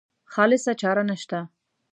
خالصه چاره نشته.